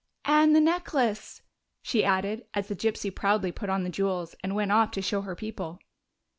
"And the necklace!" she added, as the gypsy proudly put on the jewels and went off to show her people.